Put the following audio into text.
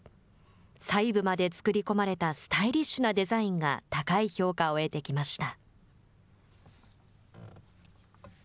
細部まで作り込まれたスタイリッシュなデザインが高い評価を得てきました。